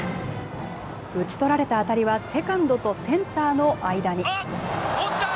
打ち取られた当たりはセカンドとセンターの間に。